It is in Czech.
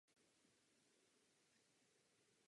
Uměleckou kariéru začal jako výtvarník.